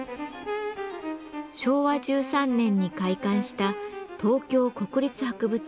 昭和１３年に開館した東京国立博物館。